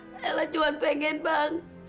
nella cuma pengen bang